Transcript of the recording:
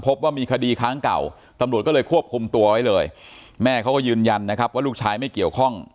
พบว่ามีคดีค้างเก่าตำรวจก็เลยควบคุมตัวไว้เลยแม่เขาก็ยืนยันนะครับว่าลูกชายไม่เกี่ยวข้อง